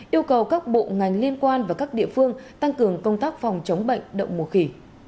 yêu cầu các bộ ngành liên quan và các địa phương tăng cường công tác phòng chống bệnh đậu mùa khỉ